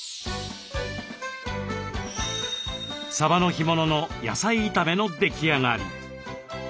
サバの干物の野菜炒めの出来上がり。